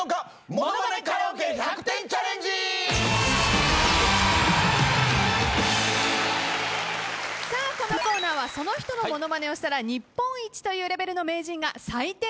「ものまねカラオケ１００点チャレンジ」さあこのコーナーはその人のものまねをしたら日本一というレベルの名人が採点